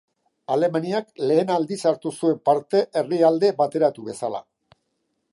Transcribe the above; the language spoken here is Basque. Alemaniak lehen aldiz hartu zuen parte herrialde bateratu bezala.